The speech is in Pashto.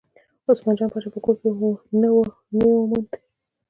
عثمان جان پاچا په کور کې نه و نه یې وموند.